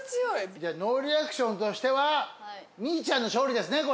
じゃあノーリアクションとしてはみいちゃんの勝利ですねこれは。